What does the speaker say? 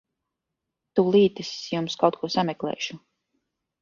Tūlīt es jums kaut ko sameklēšu.